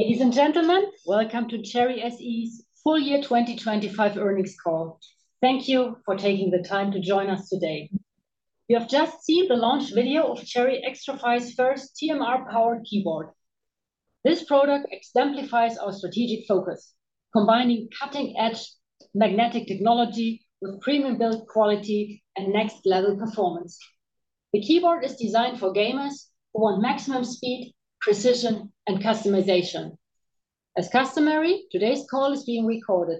Ladies and gentlemen, welcome to Cherry SE's Full Year 2025 Earnings Call. Thank you for taking the time to join us today. You have just seen the launch video of CHERRY XTRFY first TMR-powered keyboard. This product exemplifies our strategic focus, combining cutting-edge magnetic technology with premium build quality and next-level performance. The keyboard is designed for gamers who want maximum speed, precision, and customization. As customary, today's call is being recorded.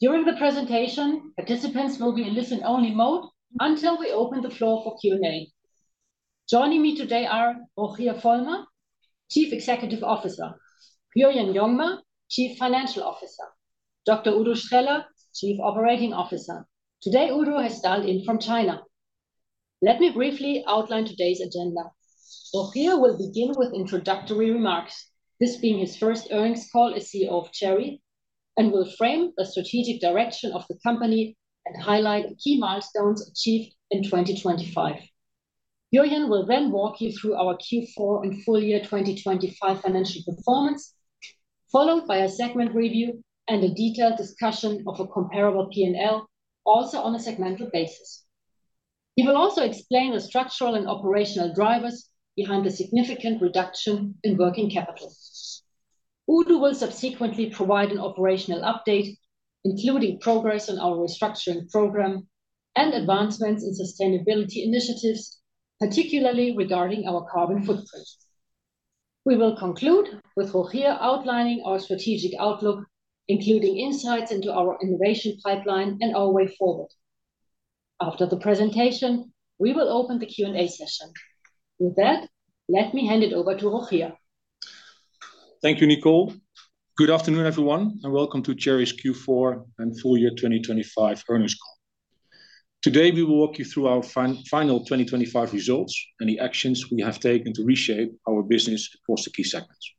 During the presentation, participants will be in listen-only mode until we open the floor for Q&A. Joining me today are Rogier Volmer, Chief Executive Officer, Jurjen Jongma, Chief Financial Officer, Dr. Udo Streller, Chief Operating Officer. Today, Udo has dialed in from China. Let me briefly outline today's agenda. Rogier will begin with introductory remarks, this being his first earnings call as CEO of Cherry, and will frame the strategic direction of the company and highlight key milestones achieved in 2025. Jurjen will walk you through our Q4 and full year 2025 financial performance, followed by a segment review and a detailed discussion of a comparable P&L, also on a segmental basis. He will also explain the structural and operational drivers behind the significant reduction in working capital. Udo will subsequently provide an operational update, including progress on our restructuring program and advancements in sustainability initiatives, particularly regarding our carbon footprint. We will conclude with Rogier outlining our strategic outlook, including insights into our innovation pipeline and our way forward. After the presentation, we will open the Q&A session. With that, let me hand it over to Rogier. Thank you, Nicole. Good afternoon, everyone, and welcome to Cherry's Q4 and Full Year 2025 Earnings Call. Today, we will walk you through our final 2025 results and the actions we have taken to reshape our business across the key segments.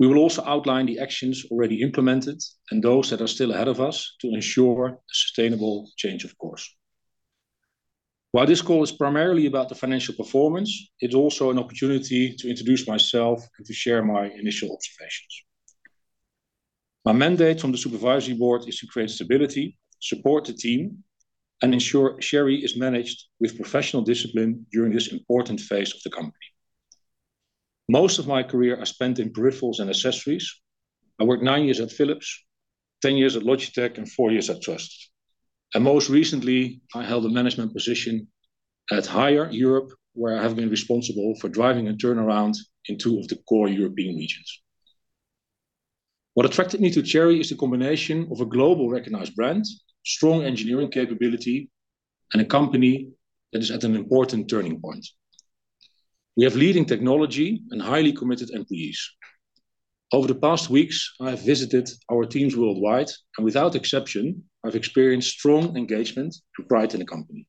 We will also outline the actions already implemented and those that are still ahead of us to ensure a sustainable change, of course. While this call is primarily about the financial performance, it's also an opportunity to introduce myself and to share my initial observations. My mandate from the supervisory board is to create stability, support the team, and ensure Cherry is managed with professional discipline during this important phase of the company. Most of my career I spent in peripherals and accessories. I worked nine years at Philips, 10 years at Logitech, and four years at Trust. Most recently, I held a management position at Haier Europe, where I have been responsible for driving a turnaround in two of the core European regions. What attracted me to Cherry is the combination of a global recognized brand, strong engineering capability, and a company that is at an important turning point. We have leading technology and highly committed employees. Over the past weeks, I have visited our teams worldwide, and without exception, I've experienced strong engagement and pride in the company.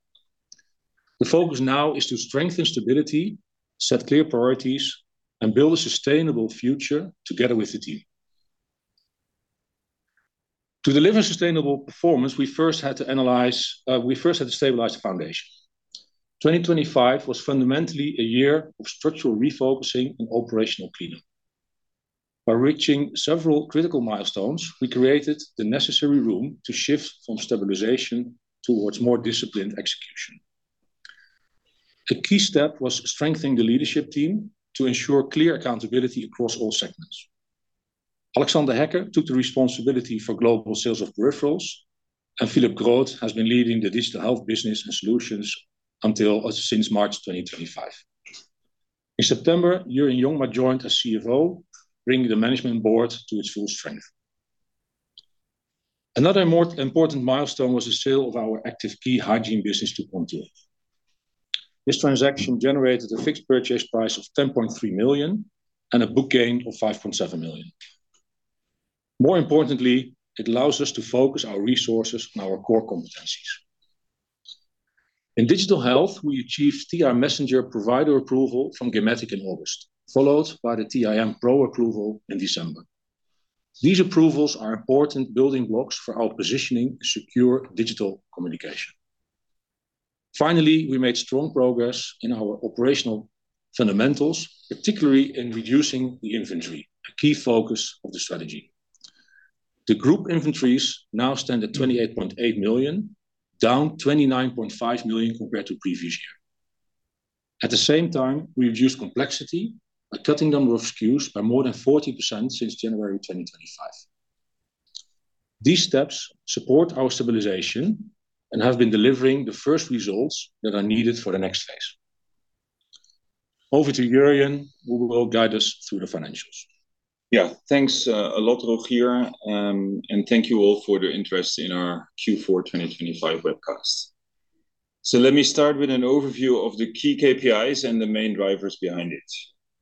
The focus now is to strengthen stability, set clear priorities, and build a sustainable future together with the team. To deliver sustainable performance, we first had to stabilize the foundation. 2025 was fundamentally a year of structural refocusing and operational cleanup. By reaching several critical milestones, we created the necessary room to shift from stabilization towards more disciplined execution. A key step was strengthening the leadership team to ensure clear accountability across all segments. Alexander Hecker took the responsibility for Global Sales of Peripherals. Philip Groth has been leading the Digital Health business and solutions since March 2025. In September, Jurjen Jongma joined as CFO, bringing the management board to its full strength. Another more important milestone was the sale of our Active Key hygiene business to Pontis. This transaction generated a fixed purchase price of 10.3 million and a book gain of 5.7 million. More importantly, it allows us to focus our resources on our core competencies. In Digital Health, we achieved TI-Messenger provider approval from gematik in August, followed by the TIM.Pro approval in December. These approvals are important building blocks for our positioning secure digital communication. Finally, we made strong progress in our operational fundamentals, particularly in reducing the inventory, a key focus of the strategy. The group inventories now stand at 28.8 million, down 29.5 million compared to previous year. At the same time, we reduced complexity by cutting number of SKUs by more than 40% since January 2025. These steps support our stabilization and have been delivering the first results that are needed for the next phase. Over to Jurjen, who will guide us through the financials. Yeah, thanks a lot Rogier, thank you all for the interest in our Q4 2025 webcast. Let me start with an overview of the key KPIs and the main drivers behind it.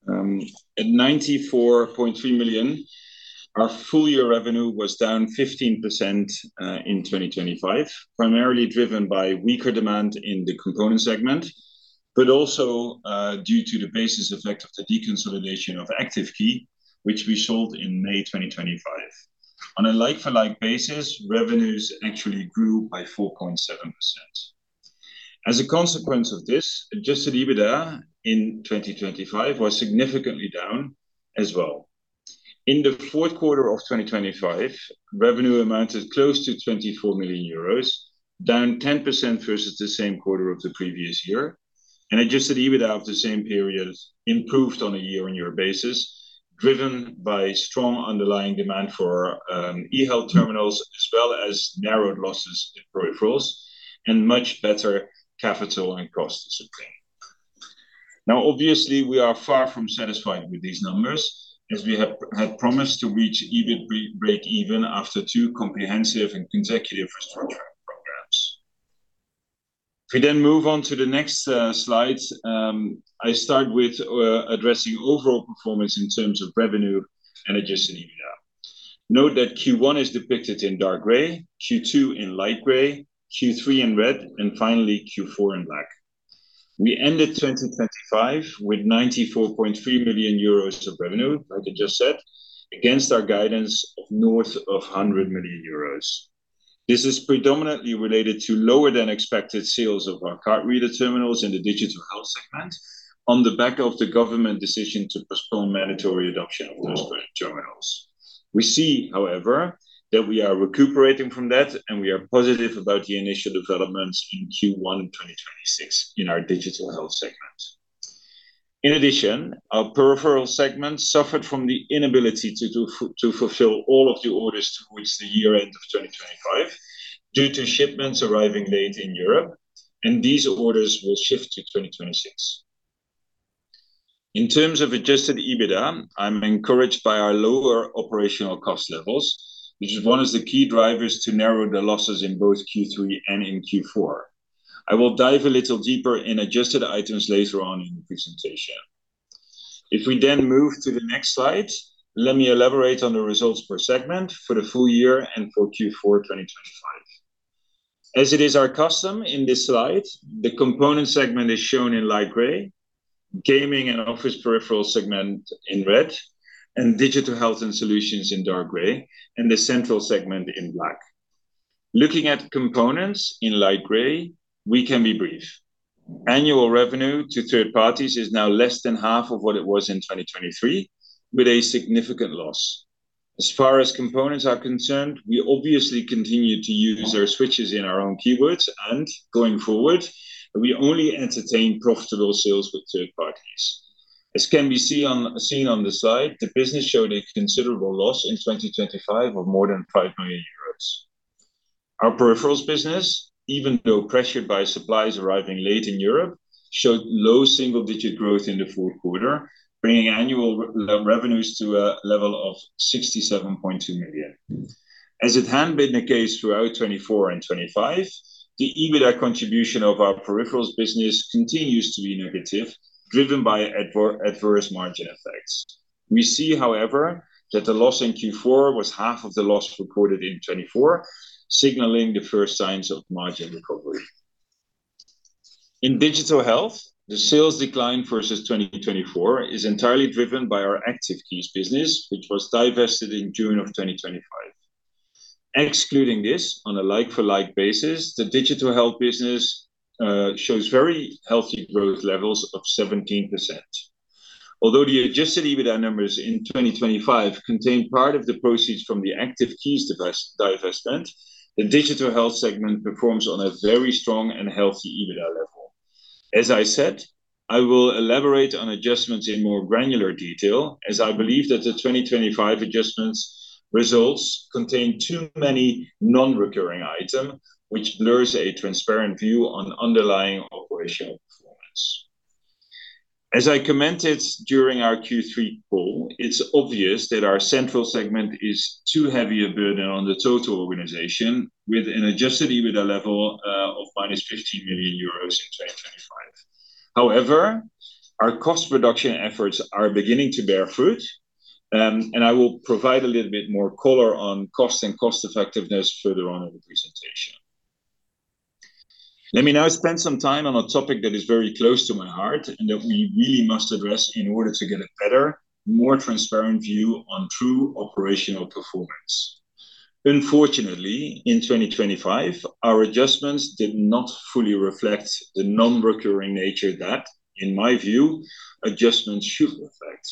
At 94.3 million, our full year revenue was down 15% in 2025, primarily driven by weaker demand in the Component segment, but also due to the basis effect of the deconsolidation of Active Key, which we sold in May 2025. On a like-for-like basis, revenues actually grew by 4.7%. As a consequence of this, adjusted EBITDA in 2025 was significantly down as well. In the fourth quarter of 2025, revenue amounted close to 24 million euros, down 10% versus the same quarter of the previous year. Adjusted EBITDA of the same period improved on a year-on-year basis, driven by strong underlying demand for eHealth terminals, as well as narrowed losses in peripherals and much better capital and cost discipline. Obviously, we are far from satisfied with these numbers, as we had promised to reach even break even after two comprehensive and consecutive restructuring programs. If we then move on to the next slides, I start with addressing overall performance in terms of revenue and adjusted EBITDA. Note that Q1 is depicted in dark gray, Q2 in light gray, Q3 in red, and finally Q4 in black. We ended 2025 with 94.3 million euros of revenue, like I just said, against our guidance of north of 100 million euros. This is predominantly related to lower than expected sales of our card reader terminals in the Digital Health segment on the back of the government decision to postpone mandatory adoption of those credit terminals. We see, however, that we are recuperating from that, and we are positive about the initial developments in Q1 2026 in our Digital Health segment. In addition, our Peripheral segment suffered from the inability to fulfill all of the orders towards the year end of 2025 due to shipments arriving late in Europe. These orders will shift to 2026. In terms of adjusted EBITDA, I'm encouraged by our lower operational cost levels, which is one of the key drivers to narrow the losses in both Q3 and in Q4. I will dive a little deeper in adjusted items later on in the presentation. We then move to the next slide, let me elaborate on the results per segment for the full year and for Q4 2025. As it is our custom in this slide, the Component segment is shown in light gray, Gaming and Office Peripheral segment in red, Digital Health and Solutions in dark gray, the Central segment in black. Looking at Components in light gray, we can be brief. Annual revenue to third parties is now less than half of what it was in 2023, with a significant loss. As far as components are concerned, we obviously continue to use our switches in our own keyboards, going forward, we only entertain profitable sales with third parties. As can be seen on the slide, the business showed a considerable loss in 2025 of more than 5 million euros. Our Peripherals business, even though pressured by supplies arriving late in Europe, showed low single-digit growth in the fourth quarter, bringing annual revenues to a level of 67.2 million. As it had been the case throughout 2024 and 2025, the EBITDA contribution of our Peripherals business continues to be negative, driven by adverse margin effects. We see, however, that the loss in Q4 was half of the loss recorded in 2024, signaling the first signs of margin recovery. In Digital Health, the sales decline versus 2024 is entirely driven by our Active Key business, which was divested in June of 2025. Excluding this on a like-for-like basis, the Digital Health business shows very healthy growth levels of 17%. Although the adjusted EBITDA numbers in 2025 contain part of the proceeds from the Active Key divestment, the digital health segment performs on a very strong and healthy EBITDA level. As I said, I will elaborate on adjustments in more granular detail as I believe that the 2025 adjustments results contain too many non-recurring item, which blurs a transparent view on underlying operational performance. As I commented during our Q3 call, it's obvious that our Central segment is too heavy a burden on the total organization with an adjusted EBITDA level of minus 50 million euros in 2025. Our cost reduction efforts are beginning to bear fruit, and I will provide a little bit more color on cost and cost effectiveness further on in the presentation. Let me now spend some time on a topic that is very close to my heart and that we really must address in order to get a better, more transparent view on true operational performance. Unfortunately, in 2025, our adjustments did not fully reflect the non-recurring nature that, in my view, adjustments should reflect.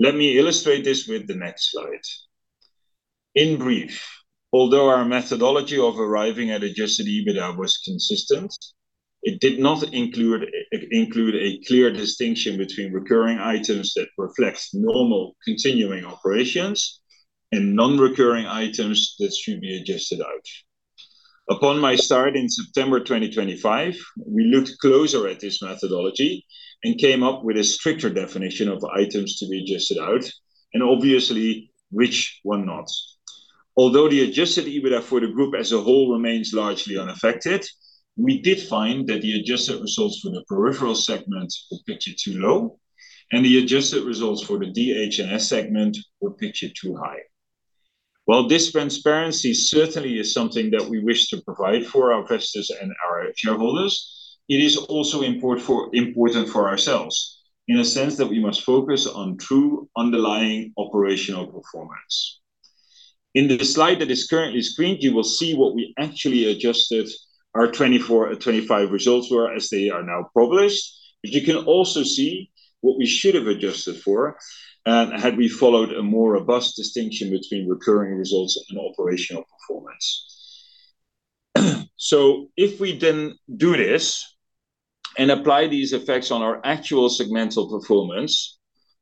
Let me illustrate this with the next slide. In brief, although our methodology of arriving at adjusted EBITDA was consistent, it include a clear distinction between recurring items that reflects normal continuing operations and non-recurring items that should be adjusted out. Upon my start in September 2025, we looked closer at this methodology and came up with a stricter definition of items to be adjusted out, obviously which were not. Although the adjusted EBITDA for the group as a whole remains largely unaffected, we did find that the adjusted results for the Peripheral segment were pictured too low, and the adjusted results for the DH and S segment were pictured too high. While this transparency certainly is something that we wish to provide for our investors and our shareholders, it is also important for ourselves in a sense that we must focus on true underlying operational performance. In the slide that is currently screened, you will see what we actually adjusted our 2024, 2025 results were as they are now published. You can also see what we should have adjusted for, and had we followed a more robust distinction between recurring results and operational performance. If we then do this and apply these effects on our actual segmental performance,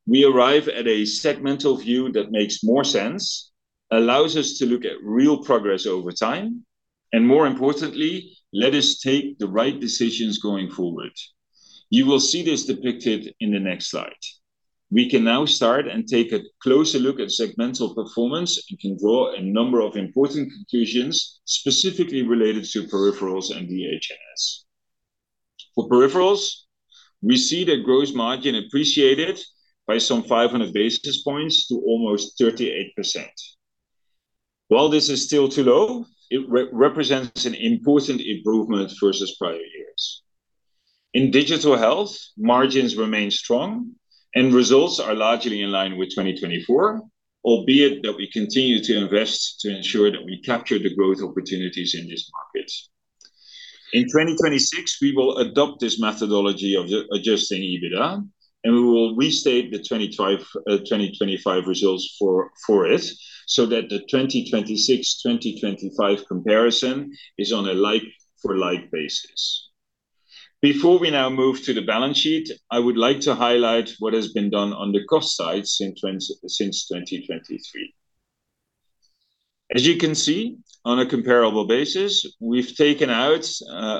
we arrive at a segmental view that makes more sense, allows us to look at real progress over time, and more importantly, let us take the right decisions going forward. You will see this depicted in the next slide. We can now start and take a closer look at segmental performance and can draw a number of important conclusions, specifically related to peripherals and DH and S. For peripherals, we see the gross margin appreciated by some 500 basis points to almost 38%. While this is still too low, it represents an important improvement versus prior years. In Digital Health, margins remain strong and results are largely in line with 2024, albeit that we continue to invest to ensure that we capture the growth opportunities in this market. In 2026, we will adopt this methodology of adjusting EBITDA, and we will restate the 2025 results for it so that the 2026, 2025 comparison is on a like-for-like basis. Before we now move to the balance sheet, I would like to highlight what has been done on the cost side since 2023. As you can see, on a comparable basis, we've taken out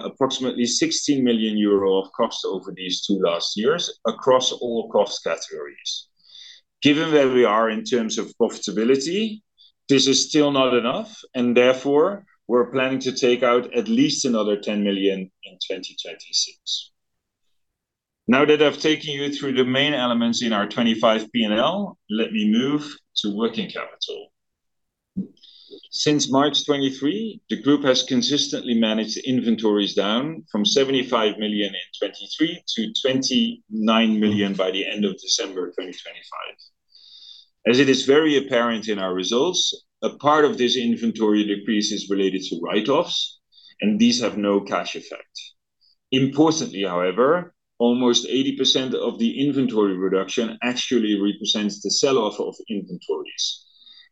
approximately 60 million euro of cost over these two last years across all cost categories. Given where we are in terms of profitability, this is still not enough. Therefore, we're planning to take out at least another 10 million in 2026. Now that I've taken you through the main elements in our 2025 P&L, let me move to working capital. Since March 2023, the group has consistently managed inventories down from 75 million in 2023 to 29 million by the end of December 2025. As it is very apparent in our results, a part of this inventory decrease is related to write-offs, and these have no cash effect. Importantly, however, almost 80% of the inventory reduction actually represents the sell-off of inventories.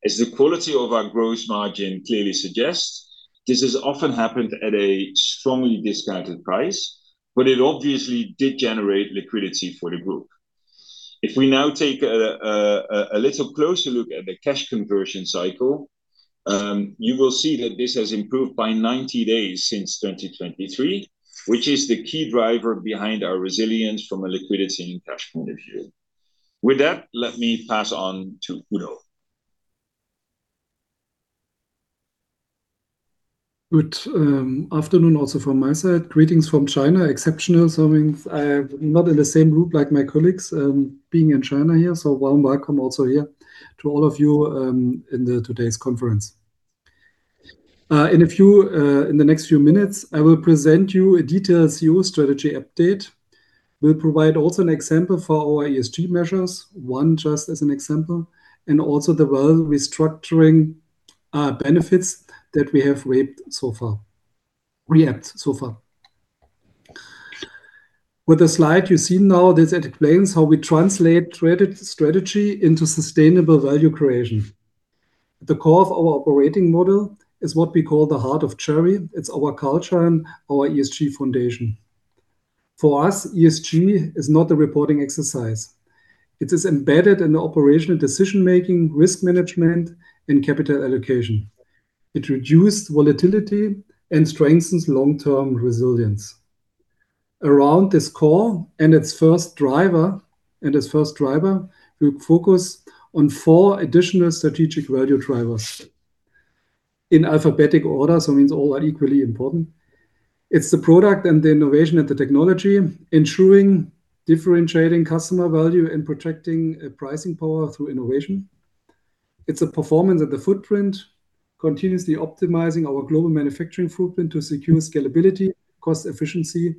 As the quality of our gross margin clearly suggests, this has often happened at a strongly discounted price, but it obviously did generate liquidity for the group. If we now take a little closer look at the cash conversion cycle, you will see that this has improved by 90 days since 2023, which is the key driver behind our resilience from a liquidity and cash point of view. With that, let me pass on to Udo. Good afternoon also from my side. Greetings from China. Exceptional, means I'm not in the same group like my colleagues, being in China here. Warm welcome also here to all of you in the today's conference. In the next few minutes, I will present you a detailed CEO strategy update. We'll provide also an example for our ESG measures, one just as an example, and also the world restructuring benefits that we have reaped so far. With the slide you see now, this explains how we translate strategy into sustainable value creation. The core of our operating model is what we call the heart of Cherry. It's our culture and our ESG foundation. For us, ESG is not a reporting exercise. It is embedded in the operational decision-making, risk management, and capital allocation. It reduced volatility and strengthens long-term resilience. Around this core and its first driver, we focus on four additional strategic value drivers. In alphabetical order, means all are equally important. It's the product and the innovation and the technology, ensuring differentiating customer value and protecting pricing power through innovation. It's a performance at the footprint, continuously optimizing our global manufacturing footprint to secure scalability, cost efficiency,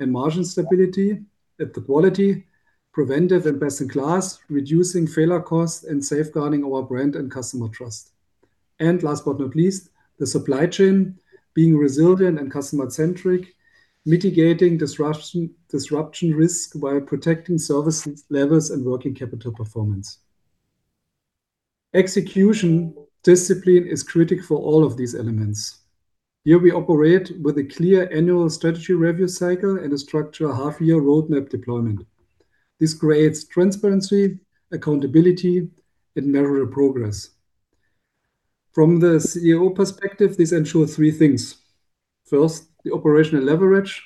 and margin stability. At the quality, preventive and best in class, reducing failure costs, and safeguarding our brand and customer trust. Last but not least, the supply chain being resilient and customer-centric, mitigating disruption risk while protecting service levels and working capital performance. Execution discipline is critical for all of these elements. Here we operate with a clear annual strategy review cycle and a structured half-year roadmap deployment. This creates transparency, accountability, and measurable progress. From the CEO perspective, this ensures three things. First, the operational leverage,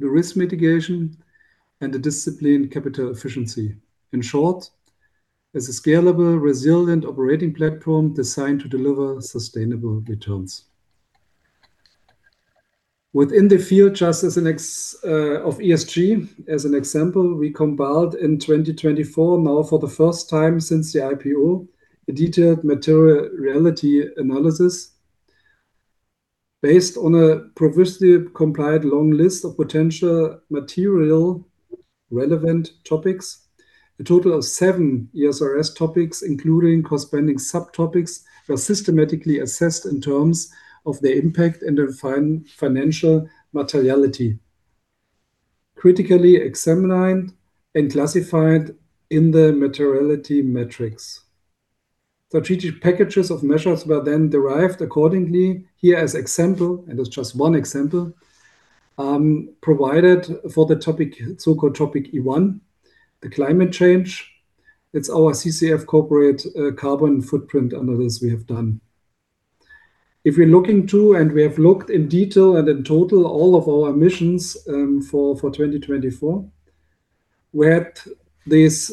the risk mitigation, and the disciplined capital efficiency. In short, it's a scalable, resilient operating platform designed to deliver sustainable returns. Within the field just as an example of ESG, we compiled in 2024, now for the first time since the IPO, a detailed material reality analysis. Based on a progressively compiled long list of potential material relevant topics, a total of seven ESRS topics, including corresponding subtopics, were systematically assessed in terms of their impact and their financial materiality, critically examined and classified in the materiality metrics. Strategic packages of measures were derived accordingly. Here as example, it's just one example, provided for the topic, so-called topic E.1, the climate change. It's our CCF corporate carbon footprint analysis we have done. If we're looking to, and we have looked in detail and in total all of our emissions, for 2024, we had this,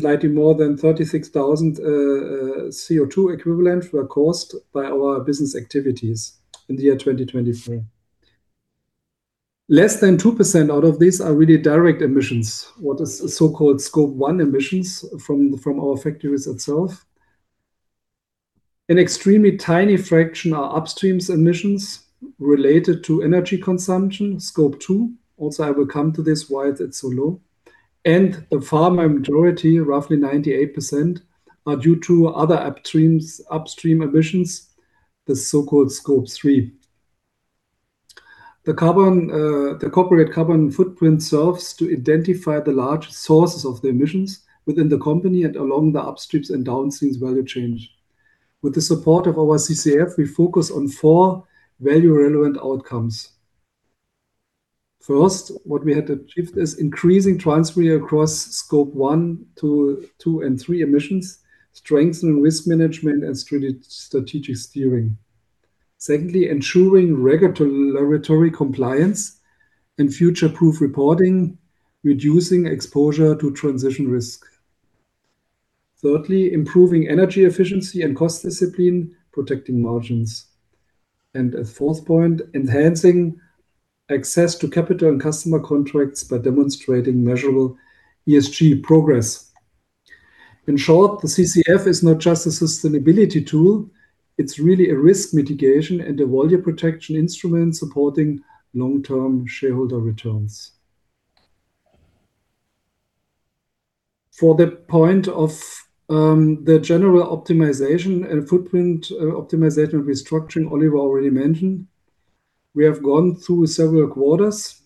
slightly more than 36,000 CO2 equivalent were caused by our business activities in the year 2024. Less than 2% out of these are really direct emissions, what is so-called Scope 1 emissions from our factories itself. An extremely tiny fraction are upstream's emissions related to energy consumption, Scope 2. I will come to this why that's so low. The far majority, roughly 98%, are due to other upstream emissions, the so-called Scope 3. The corporate carbon footprint serves to identify the large sources of the emissions within the company and along the upstream and downstream value chain. With the support of our CCF, we focus on four value-relevant outcomes. First, what we had achieved is increasing transparency across Scope 1, 2 and 3 emissions, strengthen risk management and strategic steering. Secondly, ensuring regulatory compliance and future-proof reporting, reducing exposure to transition risk. Thirdly, improving energy efficiency and cost discipline, protecting margins. As fourth point, enhancing access to capital and customer contracts by demonstrating measurable ESG progress. In short, the CCF is not just a sustainability tool, it's really a risk mitigation and a value protection instrument supporting long-term shareholder returns. For the point of the general optimization and footprint optimization restructuring Oliver already mentioned, we have gone through several quarters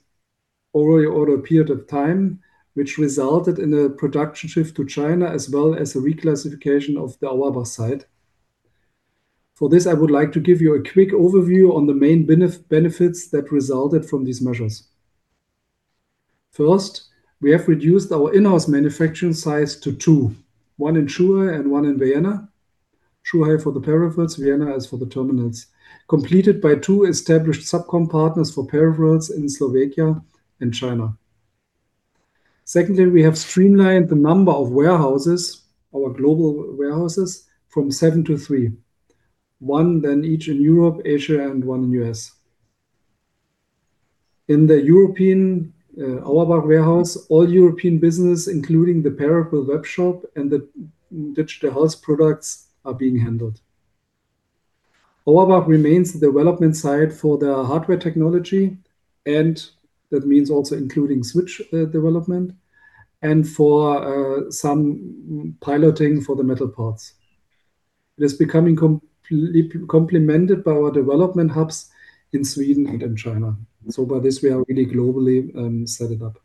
over a period of time, which resulted in a production shift to China, as well as a reclassification of the Auerbach site. For this, I would like to give you a quick overview on the main benefits that resulted from these measures. First, we have reduced our in-house manufacturing sites to two, one in Zhuhai and one in Vienna. Zhuhai for the peripherals, Vienna is for the terminals, completed by two established subcomponent partners for peripherals in Slovakia and China. Secondly, we have streamlined the number of warehouses, our global warehouses, from seven to three. One then each in Europe, Asia, and one in US. In the European, Auerbach warehouse, all European business, including the Peripheral webshop and the digital health products are being handled. Auerbach remains the development site for the hardware technology, and that means also including switch development and for some piloting for the metal parts. It is becoming complemented by our development hubs in Sweden and in China. By this, we are really globally set it up.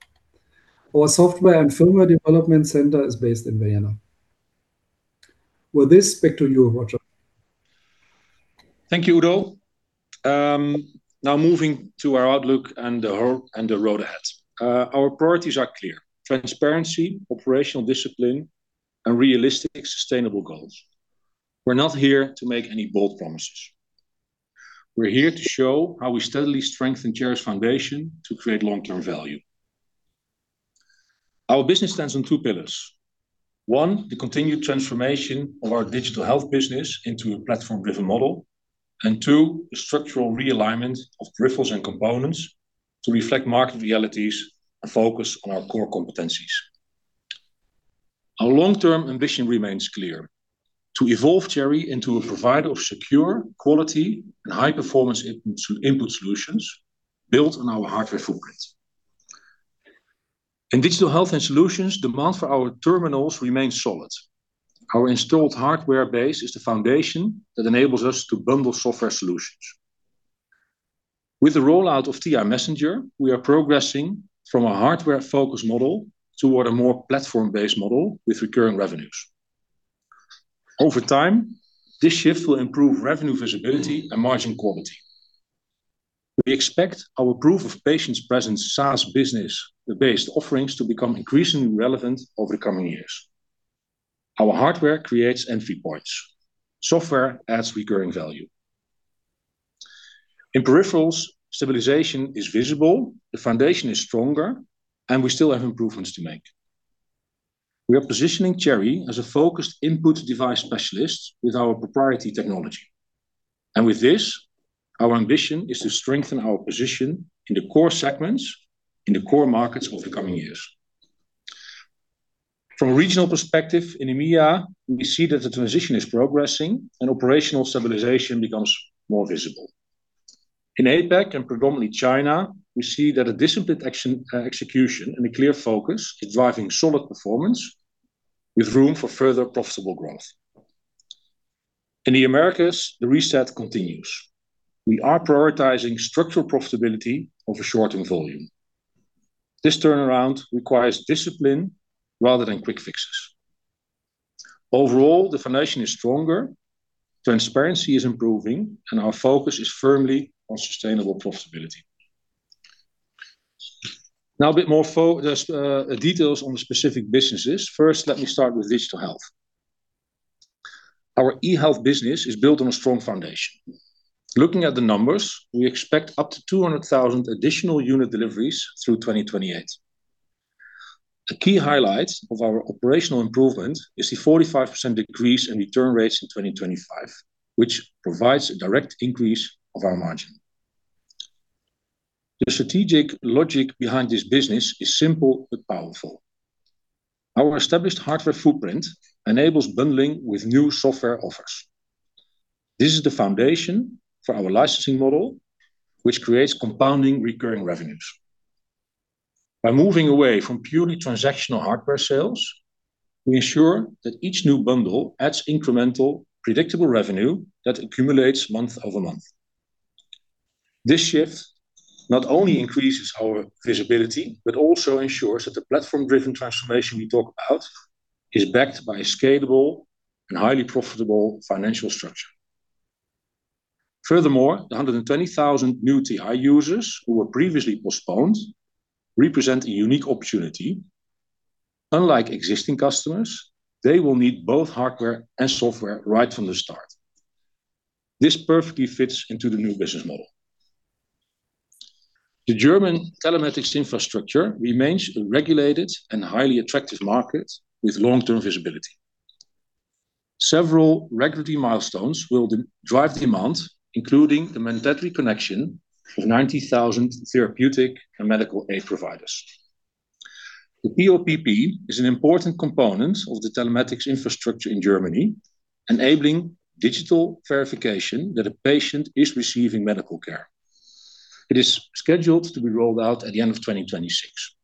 Our software and firmware development center is based in Vienna. With this, back to you, Rogier. Thank you, Udo. Now moving to our outlook and the road ahead. Our priorities are clear: transparency, operational discipline, and realistic sustainable goals. We're not here to make any bold promises. We're here to show how we steadily strengthen Cherry's foundation to create long-term value. Our business stands on two pillars. One, the continued transformation of our Digital Health business into a platform-driven model. Two, the structural realignment of peripherals and components to reflect market realities and focus on our core competencies. Our long-term ambition remains clear: to evolve Cherry into a provider of secure, quality, and high-performance input solutions built on our hardware footprint. In digital health and solutions, demand for our terminals remains solid. Our installed hardware base is the foundation that enables us to bundle software solutions. With the rollout of TI-Messenger, we are progressing from a hardware-focused model toward a more platform-based model with recurring revenues. Over time, this shift will improve revenue visibility and margin quality. We expect our proof of patients present SaaS business, the based offerings to become increasingly relevant over the coming years. Our hardware creates entry points. Software adds recurring value. In peripherals, stabilization is visible, the foundation is stronger, and we still have improvements to make. We are positioning Cherry as a focused input device specialist with our proprietary technology. With this, our ambition is to strengthen our position in the core segments, in the core markets over the coming years. From a regional perspective, in EMEA, we see that the transition is progressing and operational stabilization becomes more visible. In APAC, and predominantly China, we see that a disciplined action, execution and a clear focus is driving solid performance with room for further profitable growth. In the Americas, the reset continues. We are prioritizing structural profitability over short-term volume. This turnaround requires discipline rather than quick fixes. Overall, the foundation is stronger, transparency is improving, and our focus is firmly on sustainable profitability. Now a bit more details on the specific businesses. First, let me start with Digital Health. Our e-health business is built on a strong foundation. Looking at the numbers, we expect up to 200,000 additional unit deliveries through 2028. A key highlight of our operational improvement is the 45% decrease in return rates in 2025, which provides a direct increase of our margin. The strategic logic behind this business is simple but powerful. Our established hardware footprint enables bundling with new software offers. This is the foundation for our licensing model, which creates compounding recurring revenues. By moving away from purely transactional hardware sales, we ensure that each new bundle adds incremental, predictable revenue that accumulates month-over-month. This shift not only increases our visibility, but also ensures that the platform-driven transformation we talk about is backed by a scalable and highly profitable financial structure. Furthermore, the 120,000 new TI users who were previously postponed represent a unique opportunity. Unlike existing customers, they will need both hardware and software right from the start. This perfectly fits into the new business model. The German telematics infrastructure remains a regulated and highly attractive market with long-term visibility. Several regulatory milestones will drive demand, including the mandatory connection of 90,000 therapeutic and medical aid providers. The PoPP is an important component of the telematics infrastructure in Germany, enabling digital verification that a patient is receiving medical care. It is scheduled to be rolled out at the end of 2026.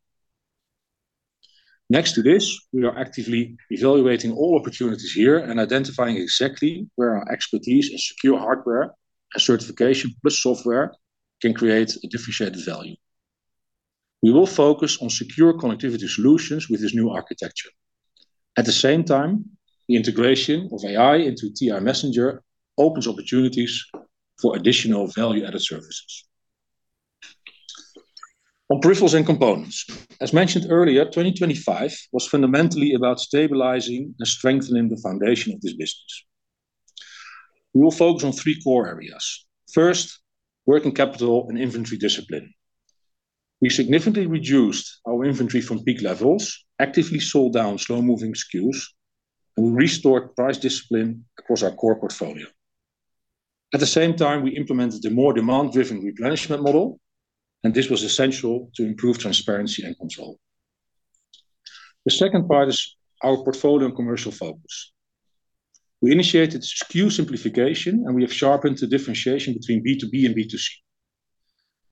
Next to this, we are actively evaluating all opportunities here and identifying exactly where our expertise in secure hardware and certification plus software can create a differentiated value. We will focus on secure connectivity solutions with this new architecture. At the same time, the integration of AI into TI-Messenger opens opportunities for additional value-added services. On Peripherals and Components. As mentioned earlier, 2025 was fundamentally about stabilizing and strengthening the foundation of this business. We will focus on three core areas. First, working capital and inventory discipline. We significantly reduced our inventory from peak levels, actively sold down slow-moving SKUs, and we restored price discipline across our core portfolio. At the same time, we implemented a more demand-driven replenishment model, and this was essential to improve transparency and control. The second part is our portfolio and commercial focus. We initiated SKU simplification, and we have sharpened the differentiation between B2B and B2C.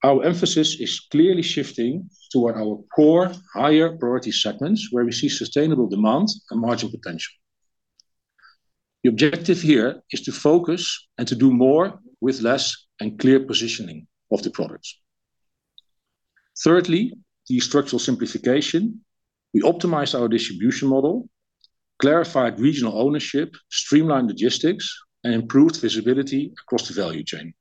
Our emphasis is clearly shifting toward our core higher-priority segments, where we see sustainable demand and margin potential. The objective here is to focus and to do more with less and clear positioning of the products. Thirdly, the structural simplification. We optimized our distribution model, clarified regional ownership, streamlined logistics, and improved visibility across the value chain.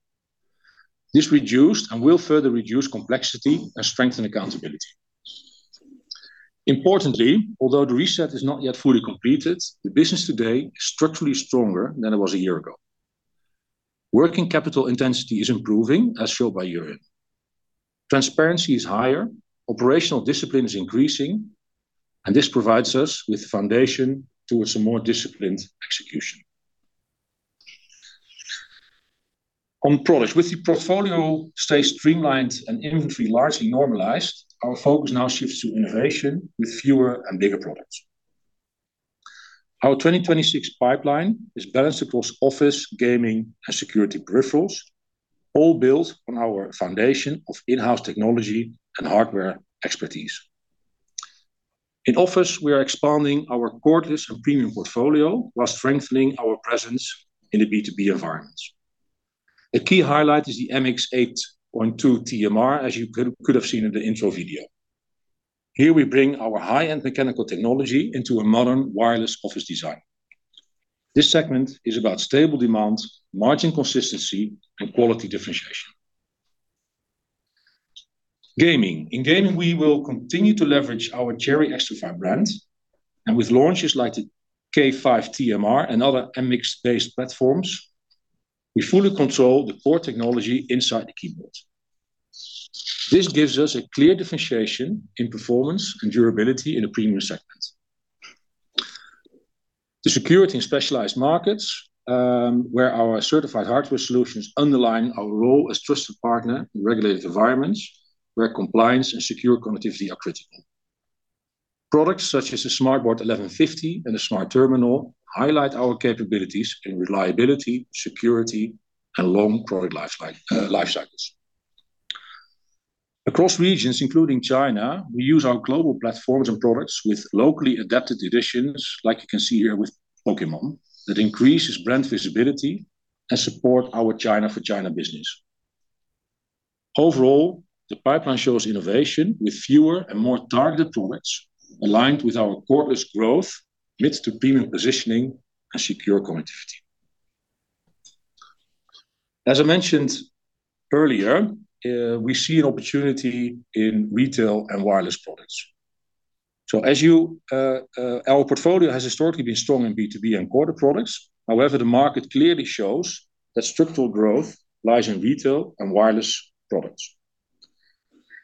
This reduced and will further reduce complexity and strengthen accountability. Importantly, although the reset is not yet fully completed, the business today is structurally stronger than it was a year ago. Working capital intensity is improving, as shown by Udo. Transparency is higher, operational discipline is increasing, and this provides us with foundation towards a more disciplined execution. On products. With the portfolio stay streamlined and inventory largely normalized, our focus now shifts to innovation with fewer and bigger products. Our 2026 pipeline is balanced across Office, Gaming, and Security Peripherals, all built on our foundation of in-house technology and hardware expertise. In office, we are expanding our cordless and premium portfolio while strengthening our presence in the B2B environments. A key highlight is the MX 8.2 TMR, as you could have seen in the intro video. Here we bring our high-end mechanical technology into a modern wireless office design. This segment is about stable demand, margin consistency, and quality differentiation. Gaming. In Gaming, we will continue to leverage our CHERRY XTRFY brand. With launches like the K5 TMR and other MX-based platforms, we fully control the core technology inside the keyboard. This gives us a clear differentiation in performance and durability in the premium segment. The security in specialized markets, where our certified hardware solutions underline our role as trusted partner in regulated environments where compliance and secure connectivity are critical. Products such as the SmartBoard 1150 and the Smart Terminal highlight our capabilities in reliability, security, and long product lifecycles. Across regions, including China, we use our global platforms and products with locally adapted editions, like you can see here with Pokémon, that increases brand visibility and support our China for China business. The pipeline shows innovation with fewer and more targeted products, aligned with our cordless growth, midst to premium positioning and secure connectivity. As I mentioned earlier, we see an opportunity in retail and wireless products. Our portfolio has historically been strong in B2B and quarter products. However, the market clearly shows that structural growth lies in retail and wireless products.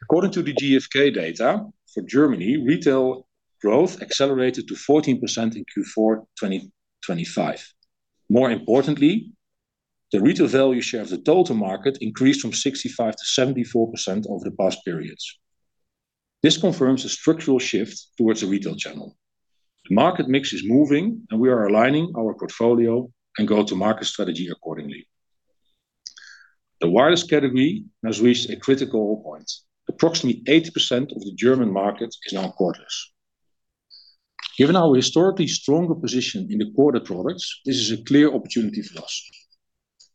According to the GfK data, for Germany, retail growth accelerated to 14% in Q4 2025. More importantly, the retail value share of the total market increased from 65%-74% over the past periods. This confirms a structural shift towards the retail channel. The market mix is moving, and we are aligning our portfolio and go to market strategy accordingly. The wireless category has reached a critical point. Approximately 80% of the German market is now cordless. Given our historically stronger position in the quarter products, this is a clear opportunity for us.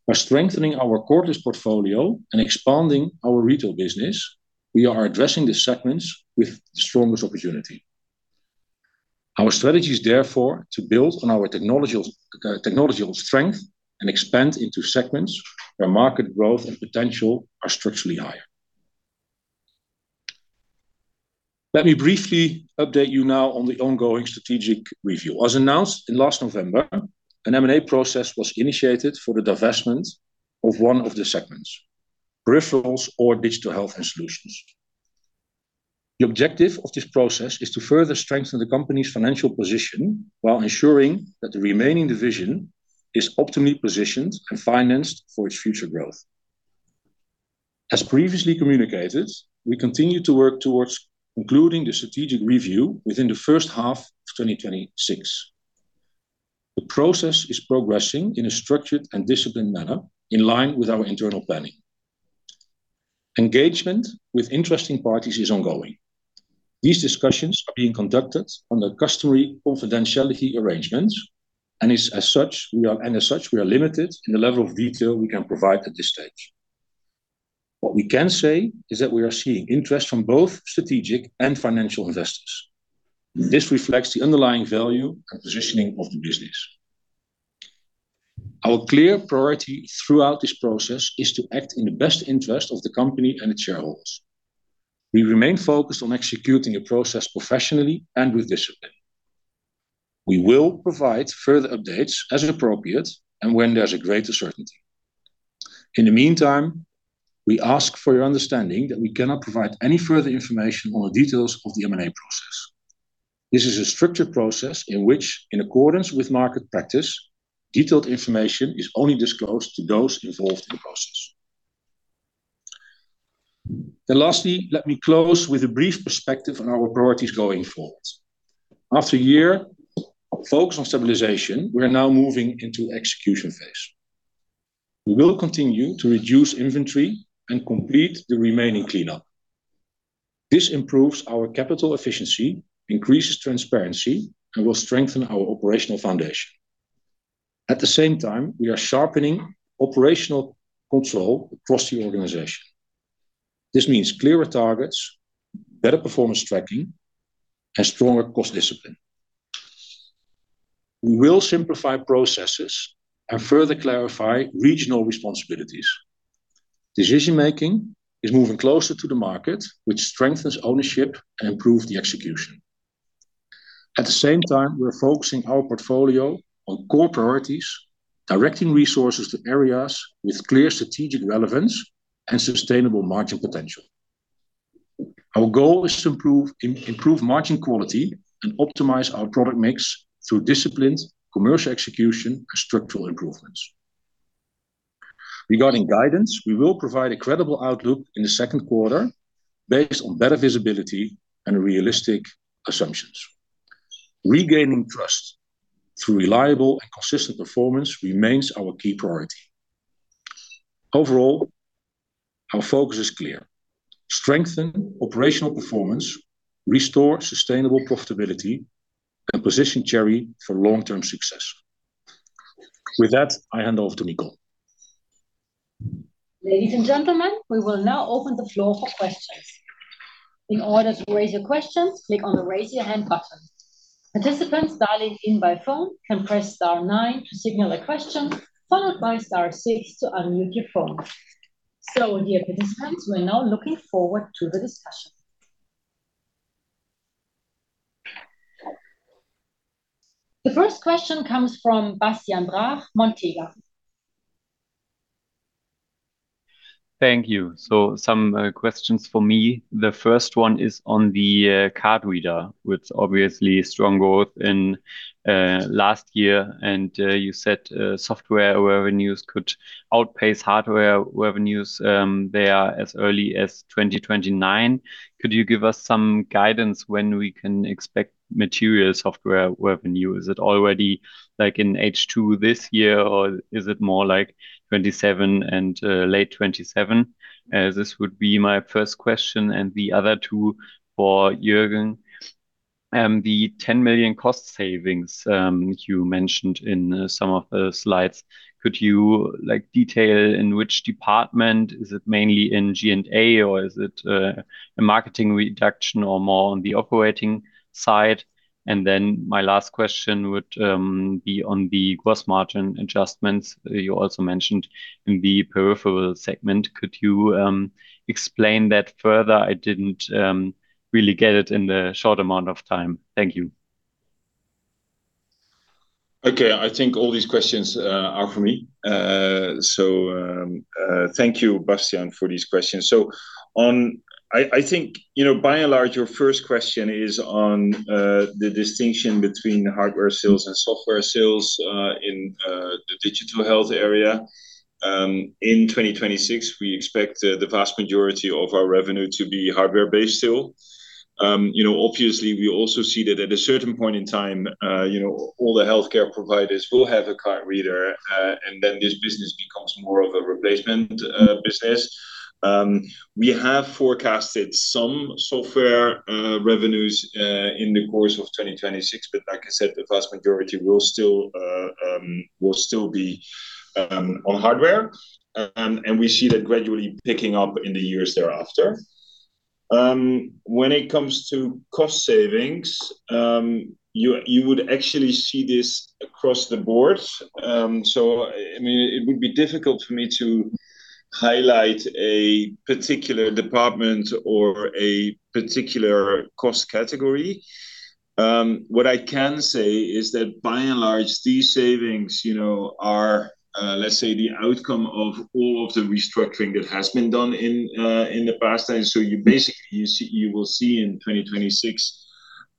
By strengthening our cordless portfolio and expanding our retail business, we are addressing the segments with the strongest opportunity. Our strategy is therefore to build on our technological strength and expand into segments where market growth and potential are structurally higher. Let me briefly update you now on the ongoing strategic review. As announced in last November, an M&A process was initiated for the divestment of one of the segments, Peripherals or Digital Health and Solutions. The objective of this process is to further strengthen the company's financial position while ensuring that the remaining division is optimally positioned and financed for its future growth. As previously communicated, we continue to work towards concluding the strategic review within the first half of 2026. The process is progressing in a structured and disciplined manner in line with our internal planning. Engagement with interesting parties is ongoing. These discussions are being conducted under customary confidentiality arrangements. As such, we are limited in the level of detail we can provide at this stage. What we can say is that we are seeing interest from both strategic and financial investors. This reflects the underlying value and positioning of the business. Our clear priority throughout this process is to act in the best interest of the company and its shareholders. We remain focused on executing the process professionally and with discipline. We will provide further updates as appropriate and when there's a greater certainty. In the meantime, we ask for your understanding that we cannot provide any further information on the details of the M&A process. This is a structured process in which, in accordance with market practice, detailed information is only disclosed to those involved in the process. Lastly, let me close with a brief perspective on our priorities going forward. After a year focused on stabilization, we are now moving into execution phase. We will continue to reduce inventory and complete the remaining cleanup. This improves our capital efficiency, increases transparency, and will strengthen our operational foundation. At the same time, we are sharpening operational control across the organization. This means clearer targets, better performance tracking, and stronger cost discipline. We will simplify processes and further clarify regional responsibilities. Decision-making is moving closer to the market, which strengthens ownership and improve the execution. At the same time, we are focusing our portfolio on core priorities, directing resources to areas with clear strategic relevance and sustainable margin potential. Our goal is to improve margin quality and optimize our product mix through disciplined commercial execution and structural improvements. Regarding Guidance, we will provide a credible outlook in the second quarter based on better visibility and realistic assumptions. Regaining trust through reliable and consistent performance remains our key priority. Overall, our focus is clear: strengthen operational performance, restore sustainable profitability, and position Cherry for long-term success. I hand off to Nicole. Ladies and gentlemen, we will now open the floor for questions. In order to raise your questions, click on the Raise Your Hand button. Participants dialing in by phone can press star nine to signal a question, followed by star six to unmute your phone. Dear participants, we're now looking forward to the discussion. The first question comes from Bastian Brach, Montega Thank you. Some questions for me. The first one is on the card reader, which obviously strong growth last year. You said software revenues could outpace hardware revenues there as early as 2029. Could you give us some guidance when we can expect material software revenue? Is it already, like, in H2 this year, or is it more like 2027 and late 2027? This would be my first question, and the other two for Jurjen. The 10 million cost savings you mentioned in some of the slides. Could you, like, detail in which department? Is it mainly in G&A, or is it a marketing reduction or more on the operating side? My last question would be on the gross margin adjustments you also mentioned in the Peripheral segment. Could you explain that further? I didn't really get it in the short amount of time. Thank you. Okay. I think all these questions are for me. Thank you, Bastian, for these questions. I think, you know, by and large, your first question is on the distinction between hardware sales and software sales in the Digital Health area. In 2026, we expect the vast majority of our revenue to be hardware-based still. You know, obviously, we also see that at a certain point in time, you know, all the healthcare providers will have a card reader, and then this business becomes more of a replacement business. We have forecasted some software revenues in the course of 2026, but like I said, the vast majority will still be on hardware. We see that gradually picking up in the years thereafter. When it comes to cost savings, you would actually see this across the board. I mean, it would be difficult for me to highlight a particular department or a particular cost category. What I can say is that by and large, these savings, you know, are, let's say, the outcome of all of the restructuring that has been done in the past. You basically, you will see in 2026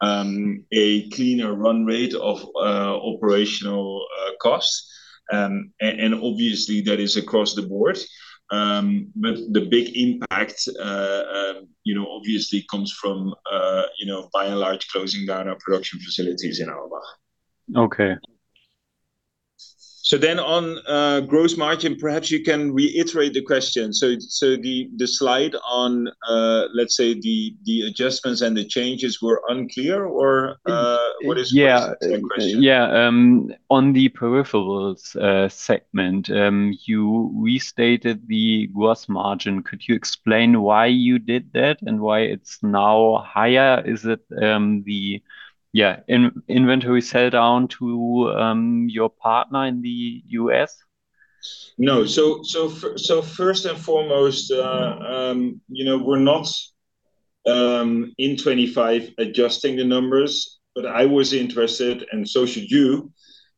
a cleaner run rate of operational costs, and obviously, that is across the board. But the big impact, you know, obviously comes from, you know, by and large, closing down our production facilities in Auerbach. Okay. On gross margin, perhaps you can reiterate the question. The slide on, let's say the adjustments and the changes were unclear or? Yeah the question? Yeah. On the Peripherals segment, you restated the gross margin. Could you explain why you did that and why it's now higher? Is it the, yeah, inventory sell-down to your partner in the U.S.? No. First and foremost, you know, we're not in 25 adjusting the numbers, but I was interested, and so should you,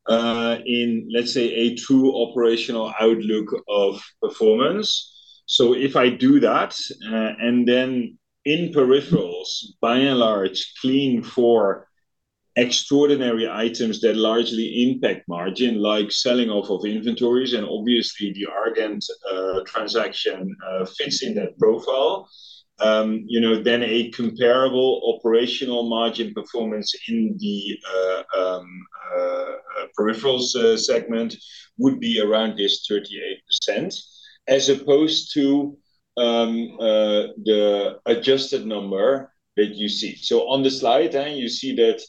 in, let's say, a true operational outlook of performance. If I do that, and then in Peripherals, by and large, clean for extraordinary items that largely impact margin, like selling off of inventories and obviously the Argand transaction, fits in that profile, you know, then a comparable operational margin performance in the Peripherals segment would be around this 38% as opposed to the adjusted number that you see. On the slide, you see that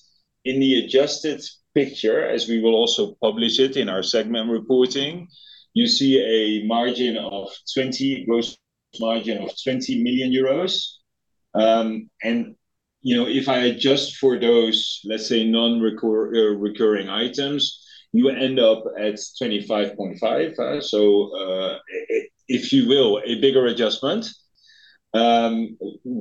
in the adjusted picture, as we will also publish it in our segment reporting, you see a gross margin of 20 million euros. You know, if I adjust for those, let's say, recurring items, you end up at 25.5 million If you will, a bigger adjustment,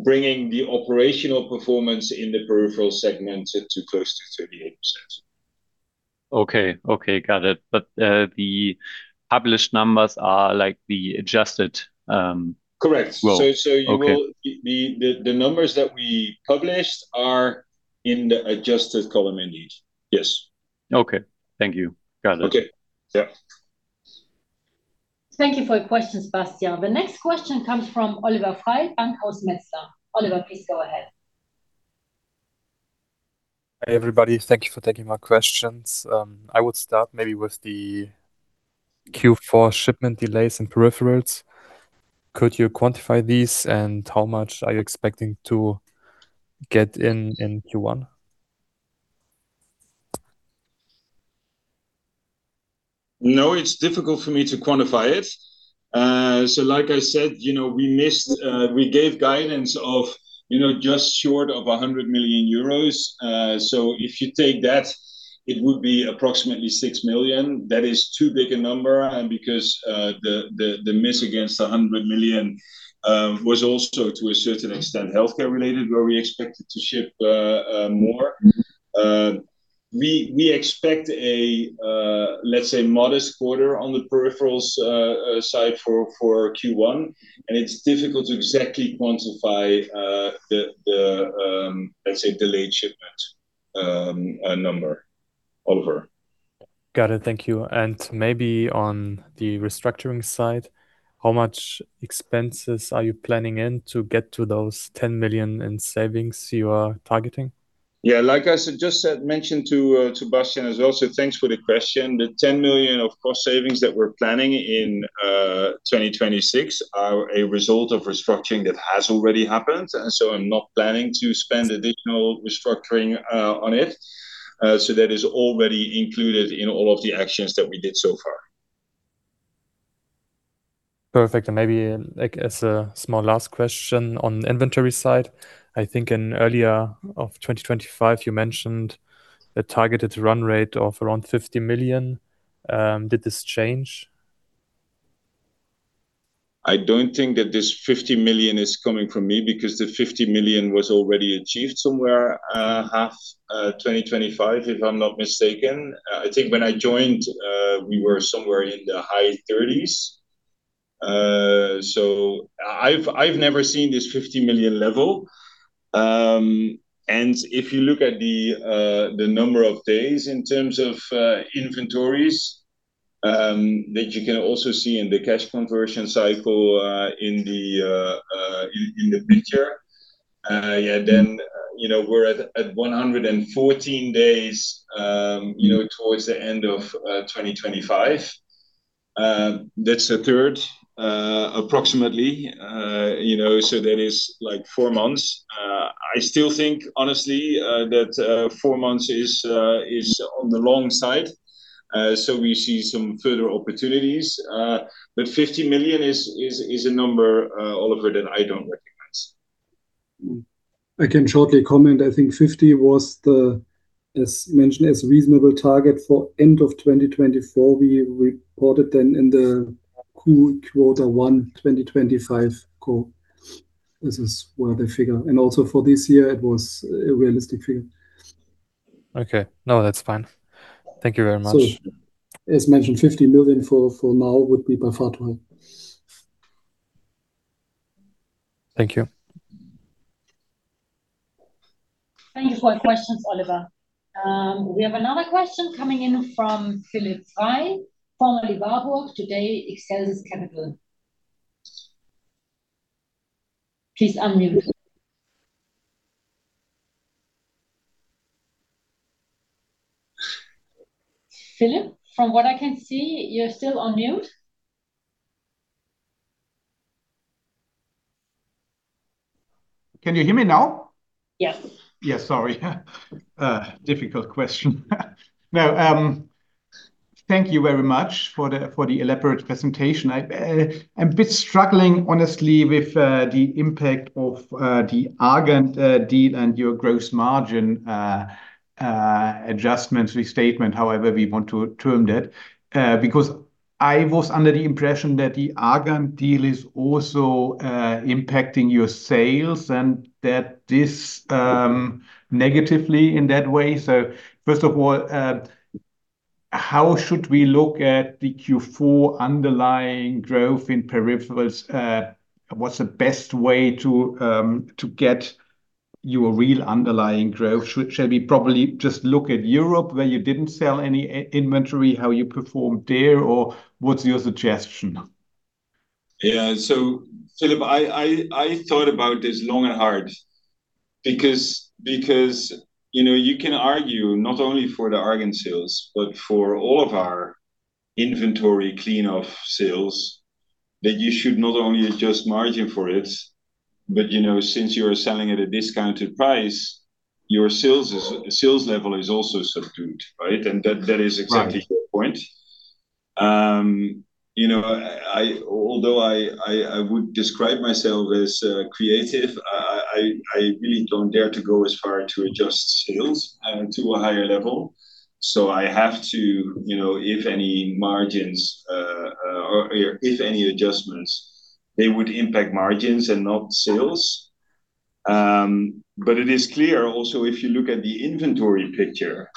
bringing the operational performance in the Peripheral segment to close to 38%. Okay. Okay. Got it. The published numbers are, like, the adjusted. Correct... role. So, so you will- Okay... the numbers that we published are in the adjusted column indeed. Yes. Okay. Thank you. Got it. Okay. Yeah. Thank you for your questions, Bastian. The next question comes from Oliver Frey, Bankhaus Metzler. Oliver, please go ahead. Hey, everybody. Thank you for taking my questions. I would start maybe with the Q4 shipment delays and Peripherals. Could you quantify these and how much are you expecting to get in Q1? No, it's difficult for me to quantify it. Like I said, you know, we gave guidance of, you know, just short of 100 million euros. If you take that, it would be approximately 6 million. That is too big a number, because the miss against 100 million was also to a certain extent healthcare related, where we expected to ship more. We expect a, let's say modest quarter on the Peripherals side for Q1. It's difficult to exactly quantify the, let's say delayed shipment number. Oliver. Got it. Thank you. Maybe on the restructuring side, how much expenses are you planning in to get to those 10 million in savings you are targeting? Yeah. Like I just mentioned to Bastian as also thanks for the question. The 10 million of cost savings that we're planning in 2026 are a result of restructuring that has already happened. I'm not planning to spend additional restructuring on it. That is already included in all of the actions that we did so far. Perfect. Maybe, like, as a small last question on the inventory side. I think in earlier of 2025, you mentioned a targeted run rate of around 50 million. Did this change? I don't think that this 50 million is coming from me because the 50 million was already achieved somewhere, half 2025, if I'm not mistaken. I think when I joined, we were somewhere in the high 30s. I've never seen this 50 million level. If you look at the number of days in terms of inventories, that you can also see in the cash conversion cycle, in the picture. Yeah, then, you know, we're at 114 days, you know, towards the end of 2025. That's a third, approximately. You know, so that is like four months. I still think honestly, that four months is on the long side. We see some further opportunities. 50 million is a number, Oliver, that I don't recognize. I can shortly comment. I think 50 was as mentioned as a reasonable target for end of 2024. We reported then in the Quarter 1 2025 call. This is where the figure. Also for this year it was a realistic figure. Okay. No, that's fine. Thank you very much. As mentioned, 50 million for now would be by far too high. Thank you. Thank you for your questions, Oliver. We have another question coming in from Philipp Frey, formerly Warburg, today Excelsis Capital. Please unmute. Philipp, from what I can see, you're still on mute. Can you hear me now? Yes. Yeah, sorry. Difficult question. No, thank you very much for the elaborate presentation. I am a bit struggling honestly with the impact of the Argand deal and your gross margin adjustment, restatement, however we want to term that. Because I was under the impression that the Argand deal is also impacting your sales and that this negatively in that way. First of all, how should we look at the Q4 underlying growth in Peripherals? What's the best way to get your real underlying growth? Shall we probably just look at Europe where you didn't sell any inventory, how you performed there, or what's your suggestion? Yeah. Philipp, I thought about this long and hard because, you know, you can argue not only for the Argand sales, but for all of our inventory clean of sales, that you should not only adjust margin for it, but, you know, since you are selling at a discounted price, your sales level is also subdued, right? That is exactly- Right... your point. You know, although I would describe myself as creative, I really don't dare to go as far to adjust sales to a higher level. I have to, you know, if any margins or if any adjustments, they would impact margins and not sales. It is clear also if you look at the inventory picture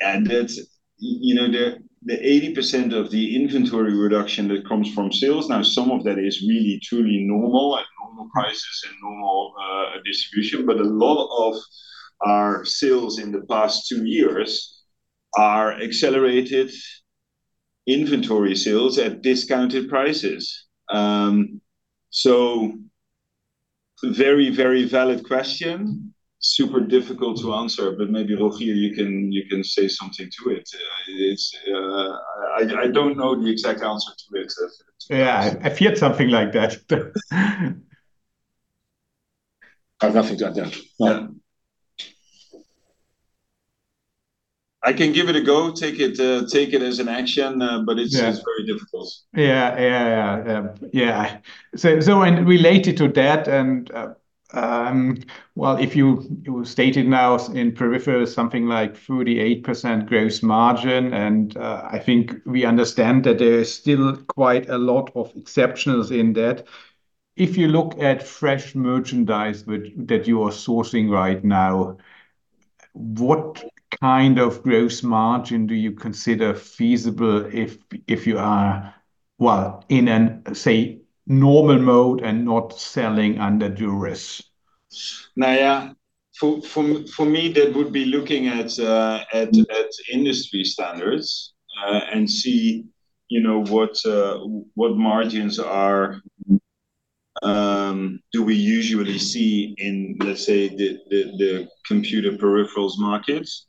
and that, you know, the 80% of the inventory reduction that comes from sales. Some of that is really truly normal, at normal prices and normal distribution. A lot of our sales in the past two years are accelerated inventory sales at discounted prices. Very, very valid question. Super difficult to answer, but maybe Rogier you can say something to it. It's, I don't know the exact answer to it. Yeah. I feared something like that. I've nothing to add. Yeah. No. I can give it a go, take it, take it as an action, but. Yeah It's very difficult. Yeah. Yeah. Yeah. Yeah. Related to that, well, if you stated now in Peripheral something like 38% gross margin, and I think we understand that there is still quite a lot of exceptionals in that. If you look at fresh merchandise that you are sourcing right now, what kind of gross margin do you consider feasible if you are, well, in an, say, normal mode and not selling under duress? For me, that would be looking at industry standards and see, you know, what margins do we usually see in, let's say, the computer peripherals markets.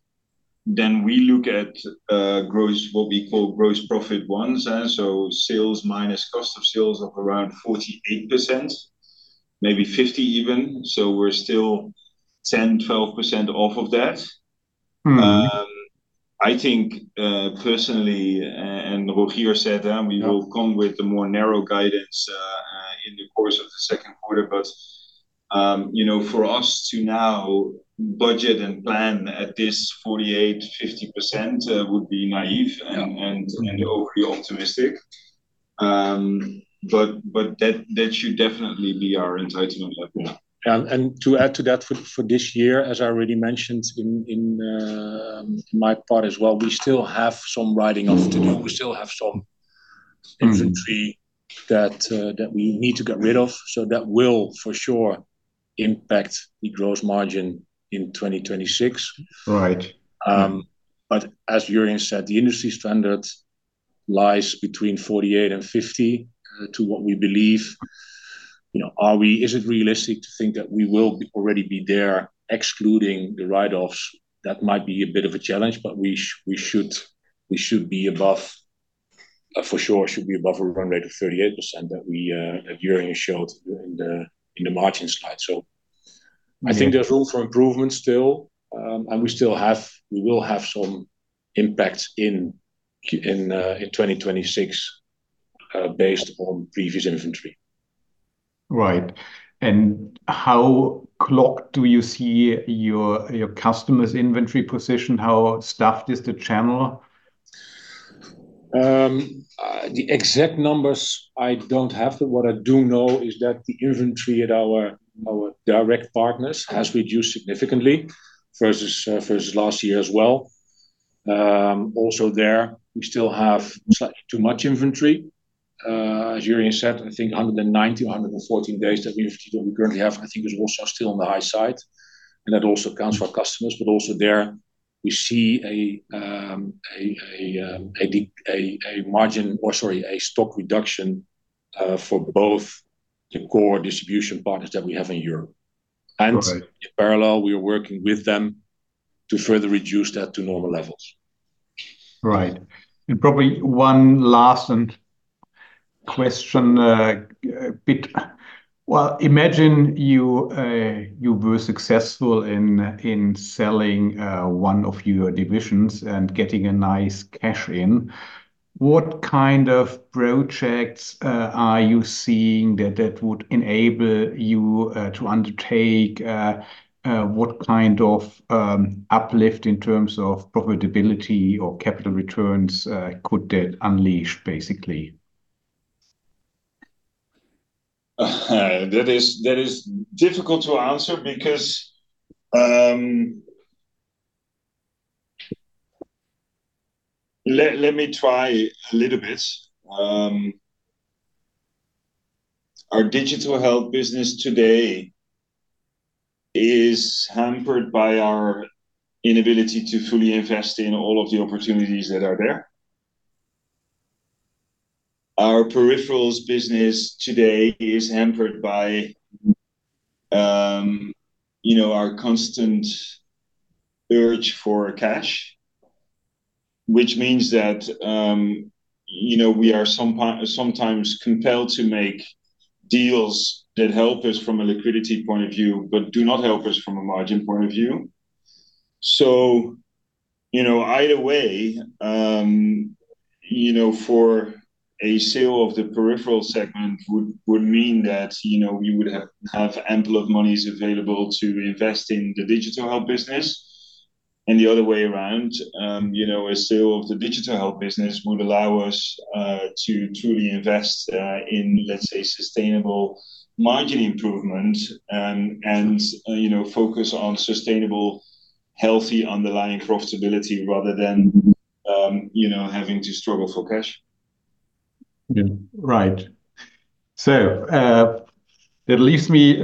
We look at what we call gross profit ones, so sales minus cost of sales of around 48%, maybe 50% even. We're still 10%, 12% off of that. Mm-hmm. I think, personally, and Rogier said that. Yeah... we will come with the more narrow guidance, in the course of the second quarter. You know, for us to now budget and plan at this 48%, 50%, would be naive. Yeah... and overly optimistic. That should definitely be our entitlement level. Yeah. To add to that for this year, as I already mentioned in my part as well, we still have some writing off to do. Mm-hmm... inventory that we need to get rid of. That will, for sure, impact the gross margin in 2026. Right. As Jurjen said, the industry standard lies between 48 and 50, to what we believe. You know, is it realistic to think that we already be there excluding the write-offs? That might be a bit of a challenge, but we should be above, for sure, should be above a run rate of 38% that we, that Jurjen showed in the, in the margin slide. Yeah I think there's room for improvement still. We will have some impact in 2026 based on previous inventory. Right. How clogged do you see your customers' inventory position? How staffed is the channel? The exact numbers, I don't have. What I do know is that the inventory at our direct partners has reduced significantly versus last year as well. Also there, we still have slightly too much inventory. As Jurjen said, I think 190, 114 days that we currently have, I think is also still on the high side. That also accounts for our customers. Also there we see a margin... or sorry, a stock reduction for both the core distribution partners that we have in Europe. Right. In parallel, we are working with them to further reduce that to normal levels. Right. Probably one last and question, a bit. Well, imagine you were successful in selling, one of your divisions and getting a nice cash in. What kind of projects are you seeing that would enable you to undertake? What kind of uplift in terms of profitability or capital returns could that unleash basically? That is, that is difficult to answer because, let me try a little bit. Our Digital Health business today is hampered by our inability to fully invest in all of the opportunities that are there. Our Peripherals business today is hampered by, you know, our constant urge for cash, which means that, you know, we are sometimes compelled to make deals that help us from a liquidity point of view, but do not help us from a margin point of view. You know, either way, you know, for a sale of the Peripheral segment would mean that, you know, we would have ample of monies available to invest in the Digital Health business. The other way around, you know, a sale of the Digital Health business would allow us to truly invest in, let's say, sustainable margin improvement and, you know, focus on sustainable healthy underlying profitability rather than, you know, having to struggle for cash. Yeah. Right. That leaves me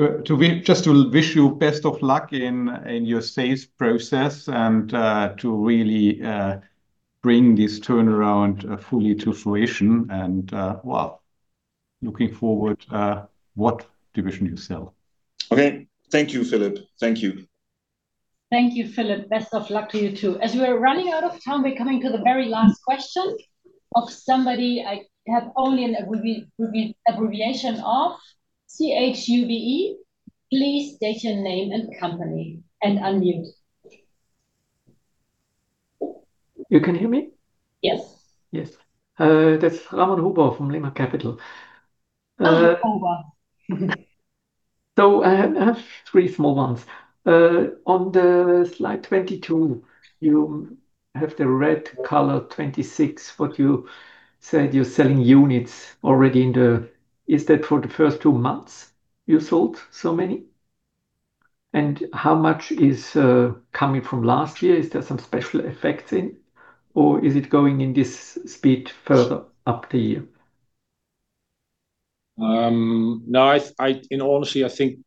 just to wish you best of luck in your sales process and to really bring this turnaround fully to fruition and, well, looking forward what division you sell. Okay. Thank you, Philipp. Thank you. Thank you, Philipp. Best of luck to you too. We are running out of time, we're coming to the very last question of somebody I have only an abbreviation of, CHUVE. Please state your name and company, and unmute. You can hear me? Yes. Yes. That's Ramon Huber from LIMMAT CAPITAL. Ramon Huber. I have three small ones. On the slide 22, you have the red color 26, what you said you're selling units already in the... Is that for the first two months you sold so many? How much is coming from last year? Is there some special effects in, or is it going in this speed further up the year? No, in all honesty, I think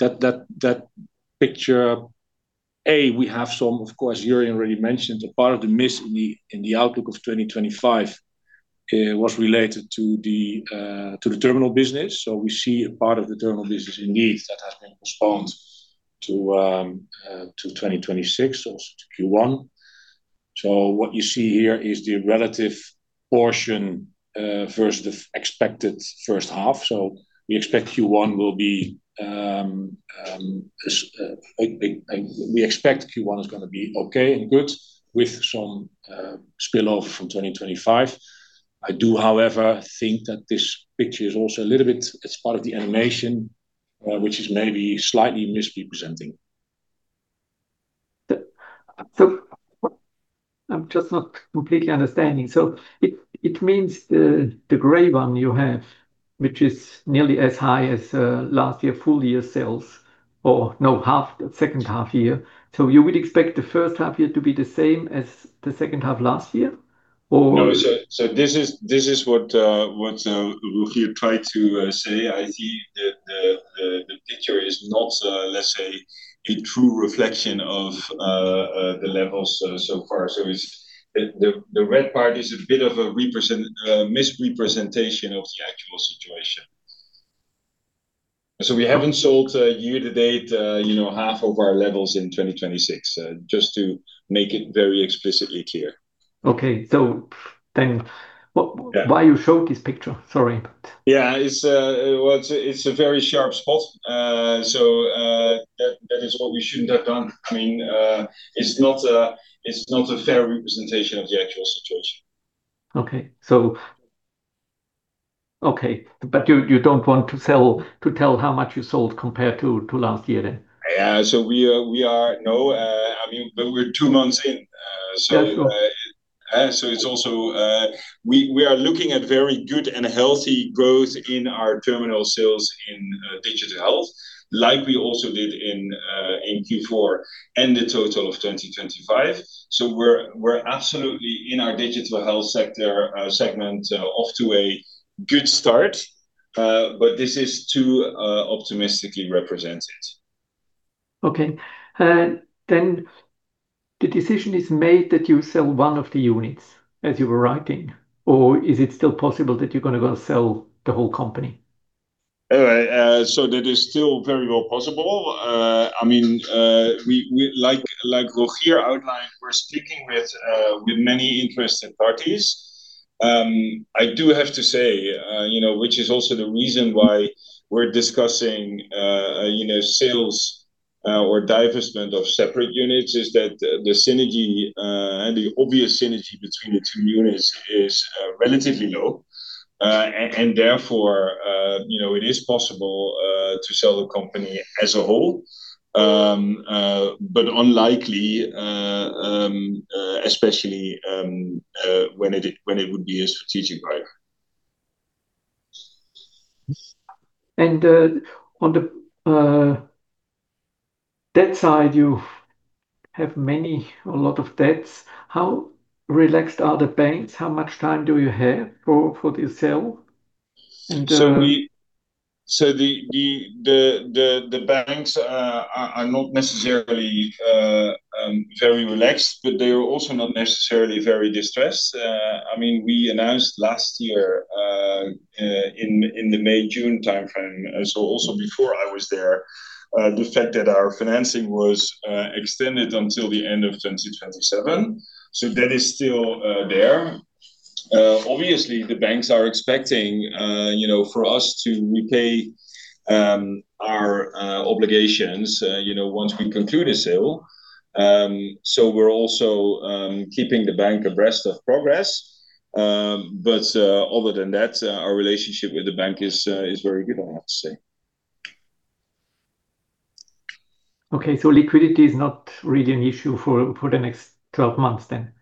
that picture, we have some, of course, Jurjen already mentioned, a part of the miss in the outlook of 2025 was related to the Terminal business. We see a part of the Terminal business indeed that has been postponed to 2026 or to Q1. What you see here is the relative portion versus the expected first half. We expect Q1 will be okay and good with some spill off from 2025. I do, however, think that this picture is also a little bit, it's part of the animation, which is maybe slightly misrepresenting. I'm just not completely understanding. It means the gray one you have, which is nearly as high as last year full year sales, or, no, second half year? You would expect the first half year to be the same as the second half last year? No. This is what Rogier tried to say. I see the picture is not a true reflection of the levels so far. The red part is a bit of a misrepresentation of the actual situation. We haven't sold, year to date, you know, half of our levels in 2026. Just to make it very explicitly clear. Okay. Yeah Why you show this picture? Sorry. Yeah. It's, well, it's a very sharp spot. That is what we shouldn't have done. I mean, it's not a fair representation of the actual situation. Okay. Okay, you don't want to tell how much you sold compared to last year then? Yeah. We are. No, I mean, but we're two months in. That's what- It's also We are looking at very good and healthy growth in our terminal sales in Digital Health, like we also did in Q4 and the total of 2025. We're absolutely in our Digital Health segment, off to a good start. This is too optimistically represented. Okay. The decision is made that you sell one of the units as you were writing, or is it still possible that you're going to go sell the whole company? All right. That is still very well possible. I mean, like Rogier outlined, we're speaking with many interested parties. I do have to say, you know, which is also the reason why we're discussing, you know, sales, or divestment of separate units, is that the synergy, the obvious synergy between the two units is relatively low. Therefore, you know, it is possible to sell the company as a whole. Unlikely, especially, when it would be a strategic buyer. On the debt side, you have a lot of debts. How relaxed are the banks? How much time do you have for the sale? The banks are not necessarily very relaxed, but they are also not necessarily very distressed. I mean, we announced last year in the May-June timeframe, also before I was there, the fact that our financing was extended until the end of 2027. That is still there. Obviously, the banks are expecting, you know, for us to repay our obligations, you know, once we conclude a sale. We're also keeping the bank abreast of progress. Other than that, our relationship with the bank is very good, I have to say. Okay. liquidity is not really an issue for the next 12 months then?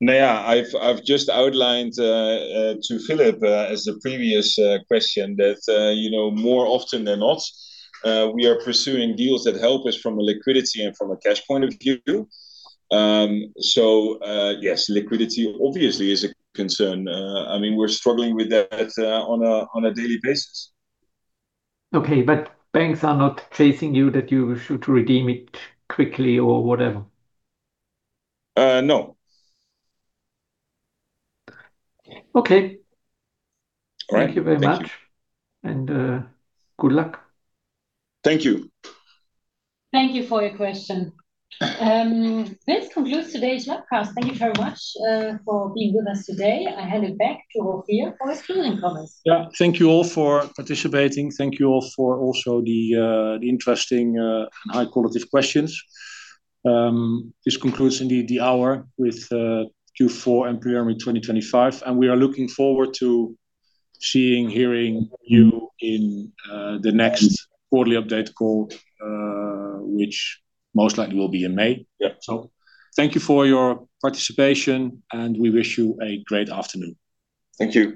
No, I've just outlined to Philipp, as the previous question, that, you know, more often than not, we are pursuing deals that help us from a liquidity and from a cash point of view. Yes, liquidity obviously is a concern. I mean, we're struggling with that on a daily basis. Okay. Banks are not chasing you that you should redeem it quickly or whatever? No. Okay. Thank you very much. Thank you. Good luck. Thank you. Thank you for your question. This concludes today's webcast. Thank you very much for being with us today. I hand it back to Rogier for his closing comments. Yeah. Thank you all for participating. Thank you all for also the interesting, high-quality questions. This concludes indeed the hour with Q4 and preliminary 2025, and we are looking forward to seeing, hearing you in the next quarterly update call, which most likely will be in May. Yeah. Thank you for your participation, and we wish you a great afternoon. Thank you.